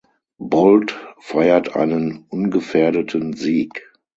Bolt feiert einen ungefährdeten Sieg.